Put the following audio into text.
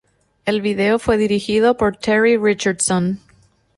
El video fue dirigido por Terry Richardson.